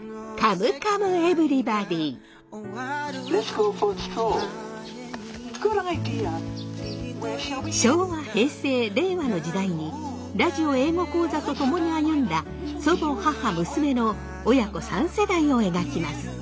「Ｇｏｏｄｉｄｅａ！」．昭和平成令和の時代にラジオ英語講座と共に歩んだ祖母母娘の親子３世代を描きます。